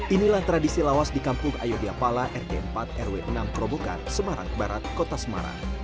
inilah tradisi lawas di kampung ayodia pala rt empat rw enam kerobokan semarang barat kota semarang